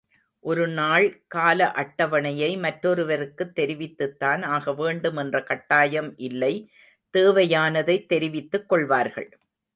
ஒரு நாள் கால அட்டவணையை மற்றொருவருக்குத் தெரிவித்துத்தான் ஆக வேண்டும் என்ற கட்டாயம் இல்லை தேவையானதைத் தெரிவித்துக் கொள்வார்கள்.